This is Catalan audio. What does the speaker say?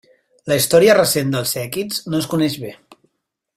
La història recent dels èquids no es coneix bé.